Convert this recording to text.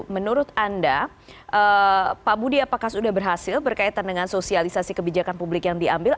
menurut anda pak budi apakah sudah berhasil berkaitan dengan sosialisasi kebijakan publik yang diambil